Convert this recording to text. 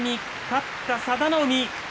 勝ったのは佐田の海。